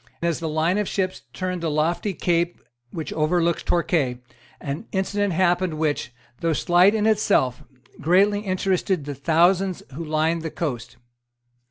As the line of ships turned the lofty cape which overlooks Torquay, an incident happened which, though slight in itself, greatly interested the thousands who lined the coast.